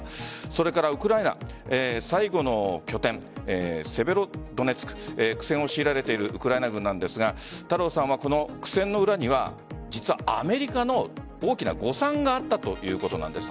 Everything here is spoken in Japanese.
それからウクライナ、最後の拠点セベロドネツク苦戦を強いられているウクライナ軍なんですが太郎さんはこの苦戦の裏には実はアメリカの大きな誤算があったということなんです。